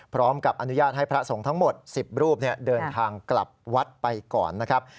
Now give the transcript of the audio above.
พร้อมกับอนุญาตให้พระสงฆ์ทั้งหมด๑๐รูปเดินทางกลับวัดไปก่อนนะครับ